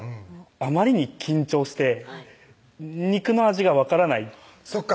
あまりに緊張して肉の味が分からないそっか